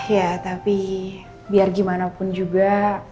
ya tapi biar gimana pun juga